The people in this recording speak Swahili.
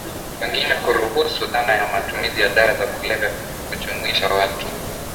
wengine kuruhusu dhana ya matumizi ya dawa za kulevya kujumuisha watu